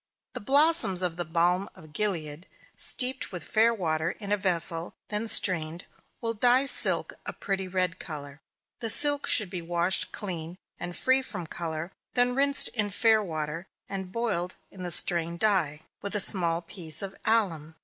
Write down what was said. The blossoms of the Balm of Gilead, steeped with fair water in a vessel, then strained, will dye silk a pretty red color. The silk should be washed clean, and free from color, then rinsed in fair water, and boiled in the strained dye, with a small piece of alum.